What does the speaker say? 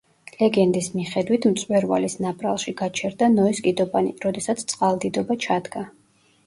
ლეგენდის მიხედვით, მწვერვალის ნაპრალში გაჩერდა ნოეს კიდობანი, როდესაც წყალდიდობა ჩადგა.